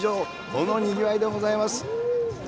このにぎわいでございます！